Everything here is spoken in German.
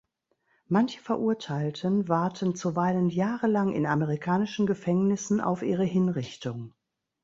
Manche Verurteilten warten zuweilen jahrelang in amerikanischen Gefängnissen auf ihre Hinrichtung.